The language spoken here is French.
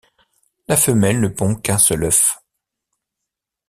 La femelle ne pond qu'un seul œuf.